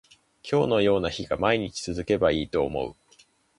今日のような日が毎日続けばいいと思う